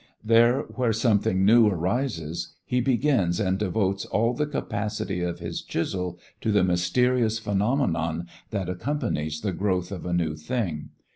There where something new arises, he begins and devotes all the capacity of his chisel to the mysterious phenomenon that accompanies the growth of a new thing.